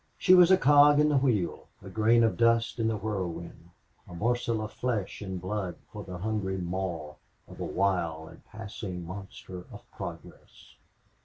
She was a cog in the wheel, a grain of dust in the whirlwind, a morsel of flesh and blood for the hungry maw of a wild and passing monster of progress.